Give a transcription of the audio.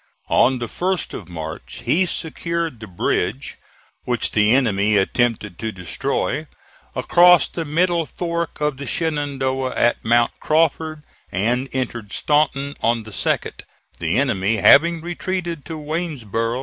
On the 1st of March he secured the bridge, which the enemy attempted to destroy, across the middle fork of the Shenandoah, at Mount Crawford, and entered Staunton on the 2d, the enemy having retreated to Waynesboro'.